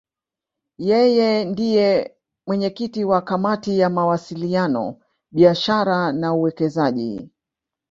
Yeye ndiye mwenyekiti wa Kamati ya Mawasiliano, Biashara na Uwekezaji.